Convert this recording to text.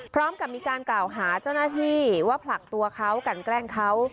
พร้อมกับมีการกล่าวหาเจ้าหน้าที่ว่าผลักตัวเขากันแกล้งเขา